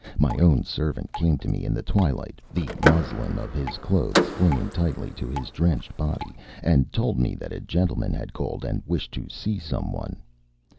My own servant came to me in the twilight, the muslin of his clothes clinging tightly to his drenched body, and told me that a gentleman had called and wished to see some one.